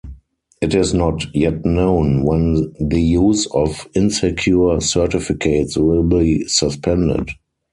It is not yet known when the use of insecure certificates will be suspended.